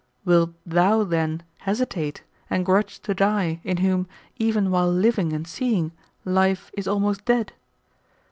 Wilt thou, then, hesitate, and grudge to die, in whom, even while living and seeing, life is almost dead?